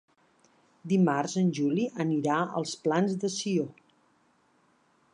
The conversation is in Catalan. Dimarts en Juli anirà als Plans de Sió.